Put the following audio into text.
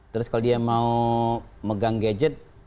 terus kalau dia mau megang gadget